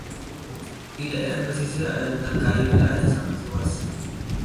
Di daerah pesisir ada hutan kayu merah yang sangat luas.